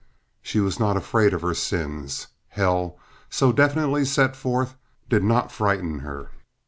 She was not afraid of her sins. Hell, so definitely set forth, did not frighten her.